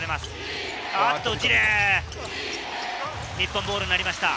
日本ボールになりました。